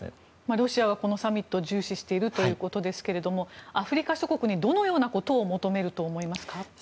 ロシアはこのサミット重視しているということですがアフリカ諸国にどのようなことを求めると思いますか。